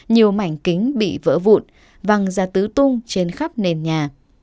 nhiều mảnh kính bị vỡ vụn văng ra tứ tung trên khắp nền nhà